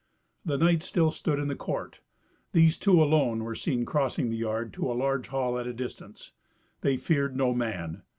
The knights still stood in the court. These two alone were seen crossing the yard to a large hall at a distance. They feared no man.